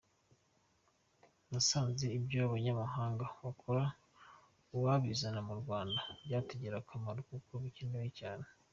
Nasanze ibyo abanyamahanga bakora uwabizana mu Rwanda, byatugirira akamaro kuko bikenewe cyane.